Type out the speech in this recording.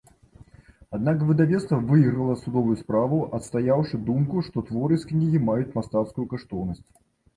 Аднак выдавецтва выйграла судовую справу, адстаяўшы думку, што творы з кнігі маюць мастацкую каштоўнасць.